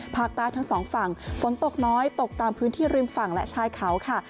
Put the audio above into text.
ภาคใต้ทั้งสองฝั่งฝนตกน้อยตกตามพื้นที่ริมฝั่งและชายเขาค่ะ